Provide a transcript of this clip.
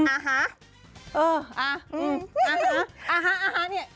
อ่าฮะ